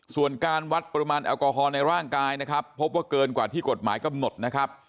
ส่วนการวัดปริมาณแอลกอฮอลในร่างกายนะครับพบว่าเกินกว่าที่กฎหมายกำหนดนะครับ